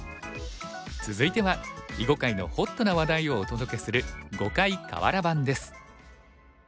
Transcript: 続いては囲碁界のホットな話題をお届けする「碁界かわら盤」です。